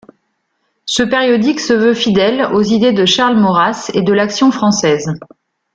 Ce périodique se veut fidèle aux idées de Charles Maurras et de l'Action française.